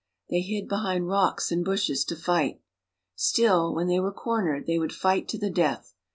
They hid behind rocks and bushes to fight. Still, when they were cornered they would fight to the death.